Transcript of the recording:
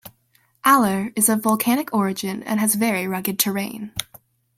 Alor is of volcanic origin and has very rugged terrain.